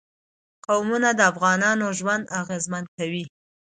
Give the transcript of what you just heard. قومونه د افغانانو ژوند اغېزمن کوي.